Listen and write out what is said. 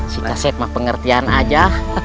si kaset mah pengertian aja